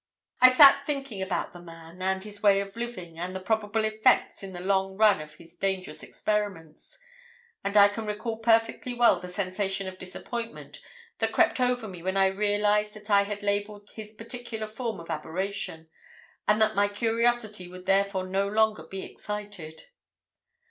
"I sat thinking about the man, and his way of living, and the probable effects in the long run of his dangerous experiments, and I can recall perfectly well the sensation of disappointment that crept over me when I realised that I had labelled his particular form of aberration, and that my curiosity would therefore no longer be excited.